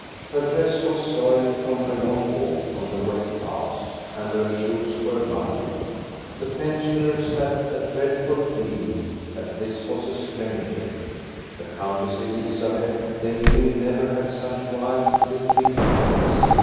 Her dress was soiled from her long walk on the wet paths, and her shoes were muddy. The pensioners had a dreadful feeling that this was a stranger. The Countess Elizabeth they knew never had such wild, glittering eyes.